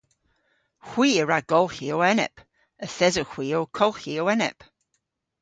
Hwi a wra golghi ow enep. Yth esowgh hwi ow kolghi ow enep.